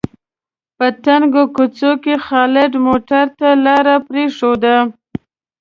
په تنګو کوڅو کې خالد موټرو ته لاره پرېښوده.